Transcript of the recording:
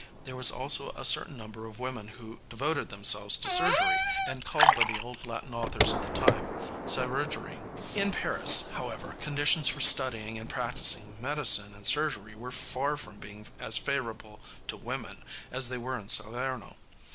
There was also a certain number of women who devoted themselves to surgery and called by the old Latin authors of the time cyrurgiæ. In Paris, however, conditions for studying and practicing medicine and surgery were far from being as favorable to women as they were in Salerno.